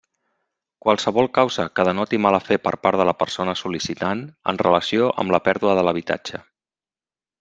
Qualsevol causa que denoti mala fe per part de la persona sol·licitant, en relació amb la pèrdua de l'habitatge.